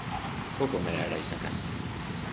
Poco medrará ixa casa.